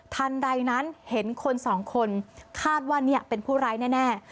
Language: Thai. ทันใดนั้นเห็นคนสองคนคาดว่าเนี่ยเป็นผู้ร้ายแน่